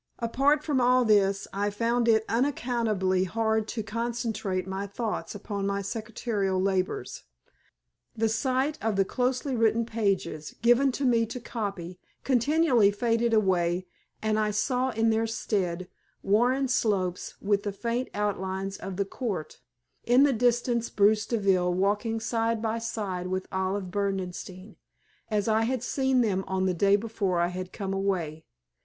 Apart from all this, I found it unaccountably hard to concentrate my thoughts upon my secretarial labors. The sight of the closely written pages, given me to copy, continually faded away, and I saw in their stead Warren slopes with the faint outlines of the Court in the distance Bruce Deville walking side by side with Olive Berdenstein, as I had seen them on the day before I had come away.